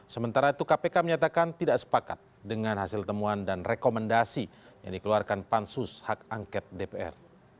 sementara itu kpk menyatakan tidak sepakat dengan hasil temuan dan rekomendasi yang dikeluarkan pansus hak angket dpr